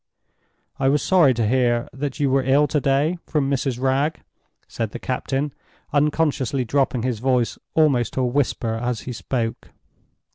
"I was sorry to hear that you were ill to day, from Mrs. Wragge," said the captain, unconsciously dropping his voice almost to a whisper as he spoke.